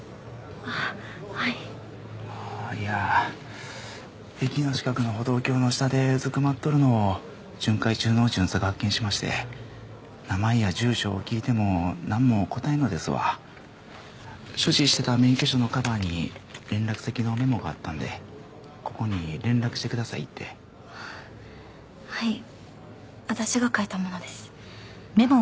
あっはいああーいや駅の近くの歩道橋の下でうずくまっとるのを巡回中の巡査が発見しまして名前や住所を聞いてもなんも答えんのですわ所持してた免許証のカバーに連絡先のメモがあったんで「ここに連絡してください」ってはい私が書いたものです